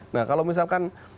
nah kalau misalkan